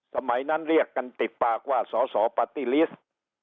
สมัยนั้นเรียกกันติดปากว่าสสปาร์ตี้ลิสต์